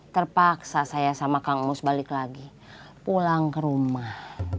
terpaksa saya sama kang mus balik lagi pulang ke rumah